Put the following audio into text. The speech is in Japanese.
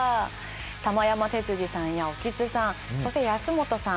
玉山鉄二さんや興津さんそして安元さん。